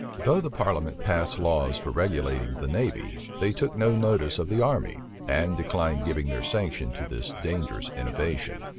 Though the parliament passed laws for regulating the navy, they took no notice of the army, and declined giving their sanction to this dangerous innovation.